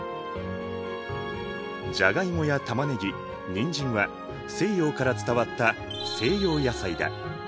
じゃがいもやたまねぎにんじんは西洋から伝わった西洋野菜だ。